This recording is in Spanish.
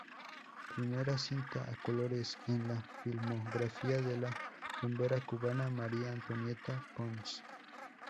Primera cinta a colores en la filmografía de la rumbera cubana María Antonieta Pons.